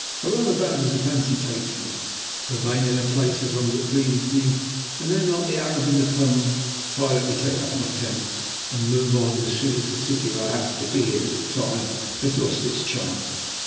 I roam about as the fancy takes me, remain in a place as long as it pleases me, and then, like the Arab in the poem, silently take up my tent and move on as soon as the city I happen to be in at the time has lost its charm.